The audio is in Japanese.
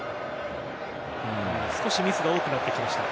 少しミスが多くなってきました。